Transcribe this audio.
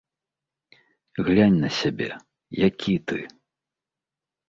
Глянь на сябе, які ты.